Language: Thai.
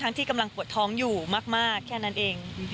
ที่กำลังปวดท้องอยู่มากแค่นั้นเอง